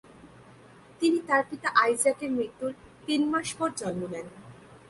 তিনি তার পিতা আইজাকের মৃত্যুর তিন মাস পর জন্ম নেন।